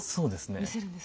見せるんですね。